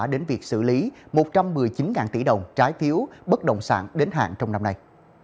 đến việc xử lý một trăm một mươi chín tỷ đồng trái phiếu bất động sản đến hạn trong năm nay